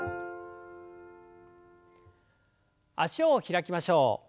脚を開きましょう。